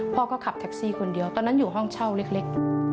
พ่อก็ขับแท็กซี่คนเดียวตอนนั้นอยู่ห้องเช่าเล็ก